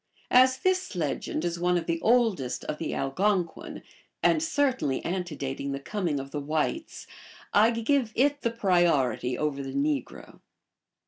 As this legend is one oi the oldest of the Algonquin, and certainly antedating the com ing of the whites, I give it the priority over the negro.